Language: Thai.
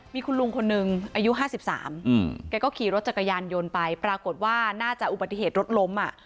มีคุณลุงคนนึงอายุ๕๓แกก็ขี่รถจักรยานยนต์ไปปรากฏว่าน่าจะอุบัติเหตุรถล้มอ่ะ